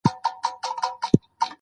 موږ تل د حق غږ پورته کړی دی.